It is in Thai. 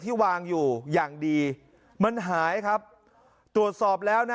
วางอยู่อย่างดีมันหายครับตรวจสอบแล้วนะ